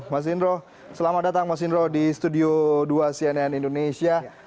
mas indro selamat datang mas indro di studio dua cnn indonesia